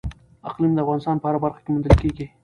اقلیم د افغانستان په هره برخه کې موندل کېږي.